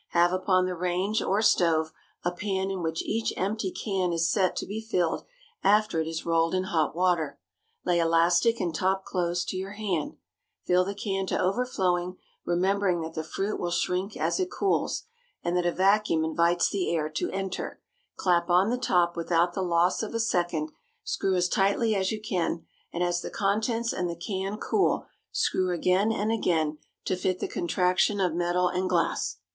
Have upon the range or stove a pan in which each empty can is set to be filled after it is rolled in hot water. Lay elastic and top close to your hand, fill the can to overflowing, remembering that the fruit will shrink as it cools, and that a vacuum invites the air to enter; clap on the top without the loss of a second, screw as tightly as you can, and as the contents and the can cool, screw again and again to fit the contraction of metal and glass.